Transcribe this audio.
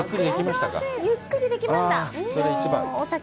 ゆっくりできましたか？